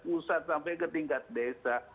pusat sampai ke tingkat desa